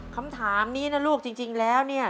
คำถามนี้นะลูกจริงแล้วเนี่ย